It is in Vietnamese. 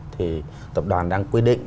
thì tập đoàn đang quy định